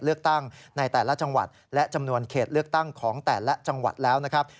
เลือกตั้งในแต่ละจังหวัดและจำนวนเขตเลือกตั้งของแต่ละจังหวัดแล้วนะครับ